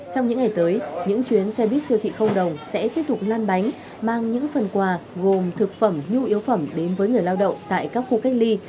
công ty thị không đồng sẽ tiếp tục lan bánh mang những phần quà gồm thực phẩm nhu yếu phẩm đến với người lao động tại các khu cách ly